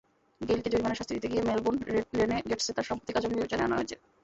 গেইলকে জরিমানার শাস্তি দিতে গিয়ে মেলবোর্ন রেনেগেডসে তাঁর সাম্প্রতিক আচরণ বিবেচনায় আনা হয়েছে।